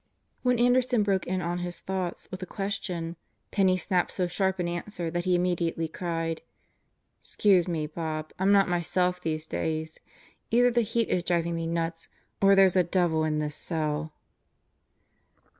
When Anderson broke in on his thoughts with a question, Penney snapped so sharp an answer that he immediately cried: " 'Scuse me, Bob. I'm not myself these days. Either the heat is driving me nuts or there's a devil in this cell."